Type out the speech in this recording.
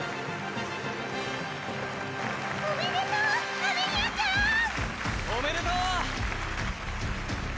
おめでとうアメリアちゃんおめでとう！